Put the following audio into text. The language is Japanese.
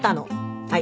はい。